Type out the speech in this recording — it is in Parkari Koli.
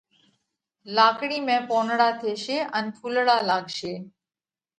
لاڪڙِي ۾ پونَڙا ٿيشي ان ڦُولڙا لاڳشي۔